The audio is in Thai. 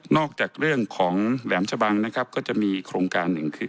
จากเรื่องของแหลมชะบังนะครับก็จะมีโครงการหนึ่งคือ